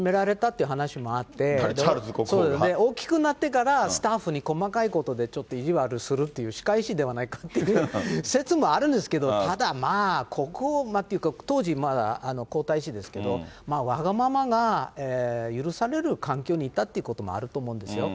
大きくなってから、スタッフに細かいことでちょっと意地悪するっていう、仕返しではないかっていう説もあるんですけど、ただ、まあ、国王っていうか、当時、皇太子ですけど、わがままが許される環境にいたっていうこともあると思うんですよ。